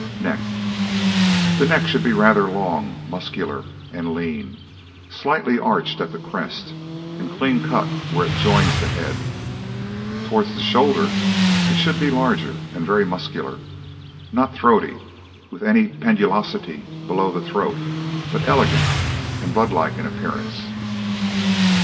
NECK The neck should be rather long, muscular, and lean, slightly arched at the crest, and clean cut where it joins the head; towards the shoulder it should be larger, and very muscular, not throaty with any pendulosity below the throat, but elegant and bloodlike in appearance.